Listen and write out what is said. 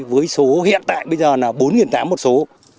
với số hiện tại bây giờ là bốn tám trăm linh một số